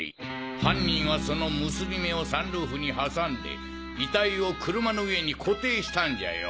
犯人はその結び目をサンルーフに挟んで遺体を車の上に固定したんじゃよ！